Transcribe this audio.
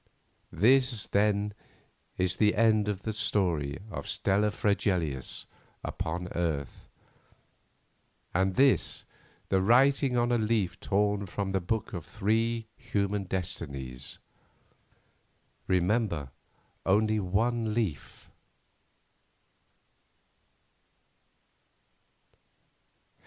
This, then, is the end of the story of Stella Fregelius upon earth, and this the writing on a leaf torn from the book of three human destinies. Remember, only one leaf.